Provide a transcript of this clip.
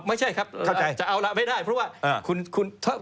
ไม่ใช่ครับเอาล่ะไม่ได้เพราะว่า